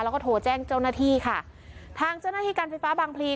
แล้วก็โทรแจ้งเจ้าหน้าที่ค่ะทางเจ้าหน้าที่การไฟฟ้าบางพลี